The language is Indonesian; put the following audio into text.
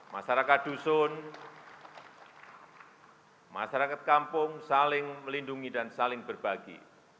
masyarakat dusun masyarakat kampung saling melindungi dan saling berbagi